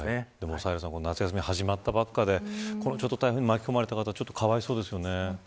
サヘルさん夏休みが始まったばかりで台風に巻き込まれた方はかわいそうですね。